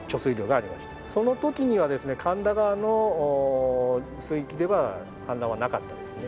その時にはですね神田川の水域では氾濫はなかったですね。